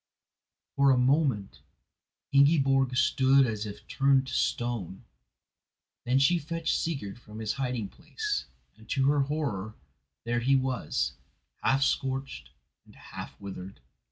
For a moment Ingiborg stood as if turned to stone, then she fetched Sigurd from his hiding place, and, to her horror, there he was, half scorched and half withered.